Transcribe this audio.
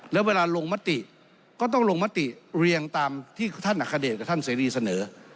แล้วเวลาลงมติก็ต้องลงมติเรียงตามที่ท่านอัคเดชกับท่านเสรีเสนอ